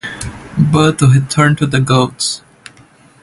But to return to the goats.